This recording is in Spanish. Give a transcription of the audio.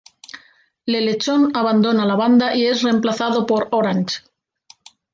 Le Lechón abandona la banda y es remplazado por Orange.